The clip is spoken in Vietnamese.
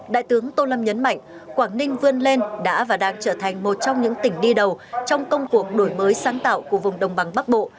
đại tướng tô lâm nhấn mạnh quảng ninh vươn lên đã và đang trở thành một trong những tỉnh đi đầu trong công cuộc đổi mới sáng tạo của vùng đồng bằng bắc bộ